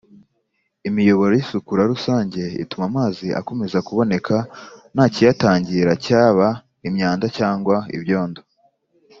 imiyoboro y isukura rusange ituma amazi akomeza kuboneka nta kiyatangira cyaba imyanda cyangwa ibyondo